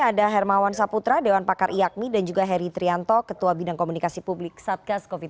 ada hermawan saputra dewan pakar iakmi dan juga heri trianto ketua bidang komunikasi publik satgas covid sembilan belas